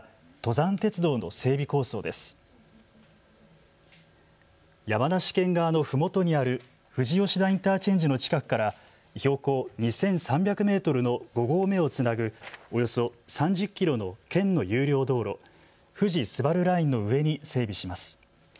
山梨県側のふもとにある富士吉田インターチェンジの近くから標高２３００メートルの５合目をつなぐおよそ３０キロの県の有料道路、富士スバルラインの上に整備します。